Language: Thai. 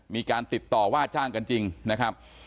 มีการติดต่อว่าจ้างกันจริงนะครับ